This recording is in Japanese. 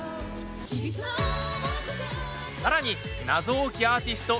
さらに、謎多きアーティスト